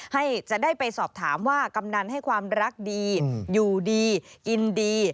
จะได้ไปสอบถามว่ากำนันให้ความรักดีอยู่ดีกินดี